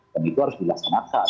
dan itu harus dilaksanakan